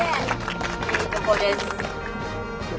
いいとこです。